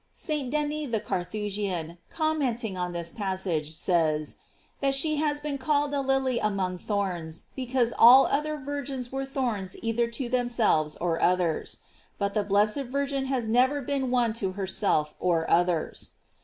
"f St. Denis the Carthusian, commenting on this passage, says, that she has been called a lily among thorns because all other virgins were thorns either to themselves or others; but the blessed Virgin has never been one to her self or others.